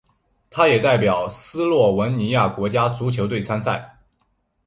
他也代表斯洛文尼亚国家足球队参赛。